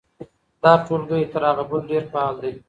دا ټولګی تر هغه بل ډېر فعال دی.